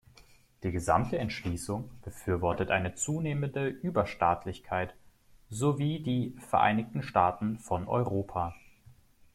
Die gesamte Entschließung befürwortet eine zunehmende Überstaatlichkeit sowie die "Vereinigten Staaten von Europa" .